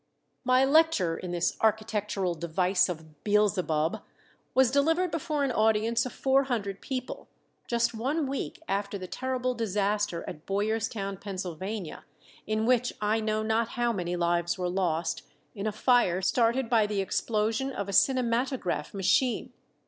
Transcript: My lecture in this architectural device of Beelzebub was delivered before an audience of four hundred people, just one week after the terrible disaster at Boyerstown, Pennsylvania, in which I know not how many lives were lost in a fire started by the explosion of a cinematograph machine.